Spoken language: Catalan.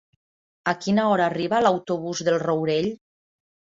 A quina hora arriba l'autobús del Rourell?